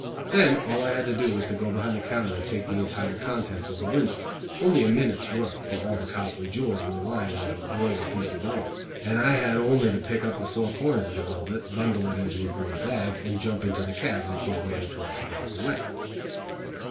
Then all I had to do was to go behind the counter and take the entire contents of the window only a minute's work, for all the costly jewels were lying on an embroidered piece of velvet, and I had only to pick up the four corners of the velvet, bundle it into a green bag, and jump into the cab which was waiting for us a block away.